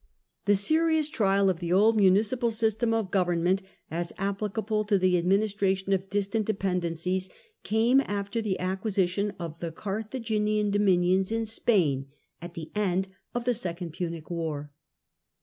The serious trial of the old municipal system of govern ment, as applicable to the administration of distant depen dencies, came after the acquisition of the Carthaginian dominions in Spain at the end of the Second Punic War.